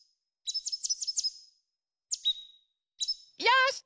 よし！